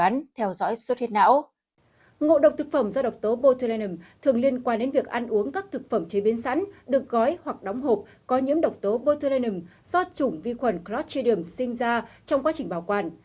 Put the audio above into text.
ngộ độc thực phẩm do độc tố botlanum thường liên quan đến việc ăn uống các thực phẩm chế biến sẵn được gói hoặc đóng hộp có nhiễm độc tố botanun do chủng vi khuẩn clotchidem sinh ra trong quá trình bảo quản